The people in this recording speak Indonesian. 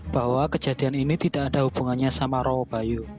bahwa kejadian ini tidak ada hubungannya sama roh bayu